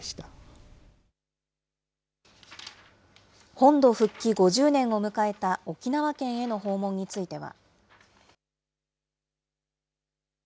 本土復帰５０年を迎えた沖縄県への訪問については。